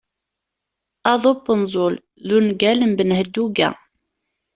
"Aḍu n wenẓul" d ungal n Ben Hedduga.